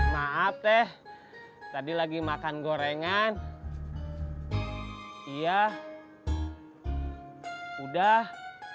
maaf teh tadi lagi makan gorengan iya udah